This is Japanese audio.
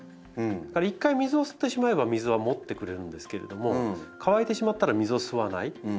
一回水を吸ってしまえば水はもってくれるんですけれども乾いてしまったら水を吸わない。